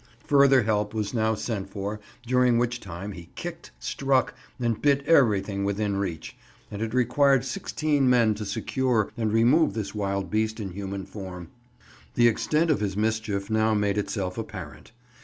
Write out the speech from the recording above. Further help was now sent for, during which time he kicked, struck, and bit everything within reach, and it required sixteen men to secure and remove this wild beast in human form. The extent of his mischief now made itself apparent.